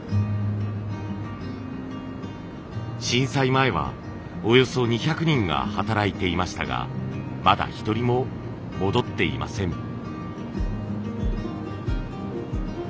震災前はおよそ２００人が働いていましたがまだ一人も戻っていません。